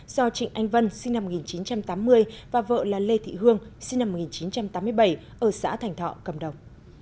do trịnh anh vân sinh năm một nghìn chín trăm tám mươi và vợ là lê thị hương sinh năm một nghìn chín trăm tám mươi bảy ở xã thành thọ cầm đầu